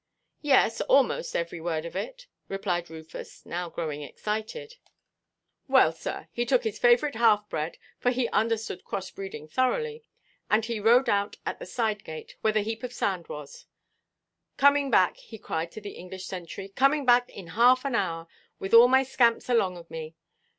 "Yes, almost every word of it," replied Rufus, now growing excited. "Well, sir, he took his favourite half–bred—for he understood cross–breeding thoroughly—and he rode out at the side–gate, where the heap of sand was; 'Coming back,' he cried to the English sentry, 'coming back in half an hour, with all my scamps along of me.